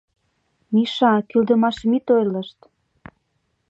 — Миша, кӱлдымашым ит ойлышт!